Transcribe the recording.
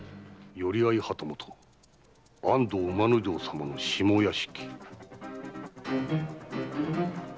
寄合旗本安藤右馬允様の下屋敷